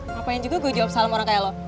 ngapain juga gue jawab salam orang kayak lo